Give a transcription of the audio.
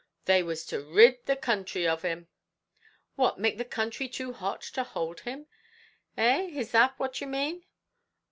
"They were to rid the counthry of him." "What make the country too hot to hold him? eh, is that what you mean?"